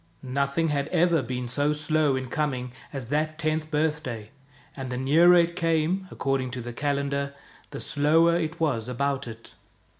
Nothing had ever been so slow in coming as that tenth birthday, and the nearer it came — according to the calendar — the slower it was about it.